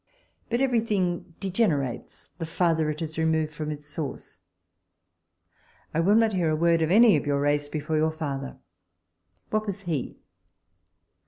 But every thing degenerates, the farther it is removed from its source. I will not hear a word of any of your race before your father: what was he?